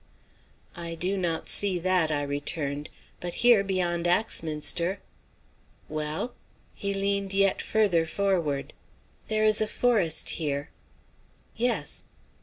"I do not see that," I returned. "But here, beyond Axminster " "Well?" He leaned yet further forward. "There is a forest here." "Yes."